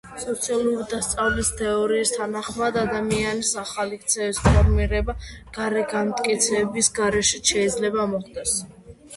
სოციალური დასწავლის თეორიის თანახმად, ადამიანის ახალი ქცევის ფორმირება გარე განმტკიცების გარეშეც შეიძლება მოხდეს.